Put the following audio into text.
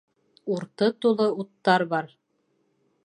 - Урты тулы уттар бар.